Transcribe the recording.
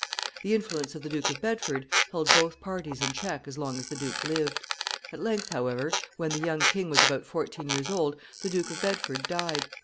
The influence of the Duke of Bedford held both parties in check as long as the duke lived. At length, however, when the young king was about fourteen years old, the Duke of Bedford died.